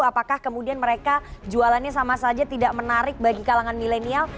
apakah kemudian mereka jualannya sama saja tidak menarik bagi kalangan milenial